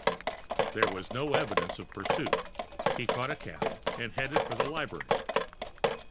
There was no evidence of pursuit. He caught a cab, and headed for the library.